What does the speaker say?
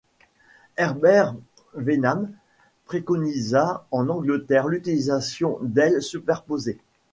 Herbert Wenham préconisa en Angleterre l'utilisation d'ailes superposées.